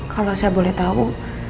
kalau saya boleh tahu